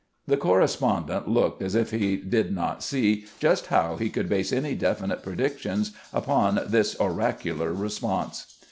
The correspondent looked as if he did not see just how he could base any definite predictions upon this oracu lar response.